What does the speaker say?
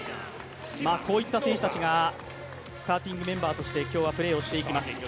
こういった選手たちがスターティングメンバーとして今日はプレーをしていきます。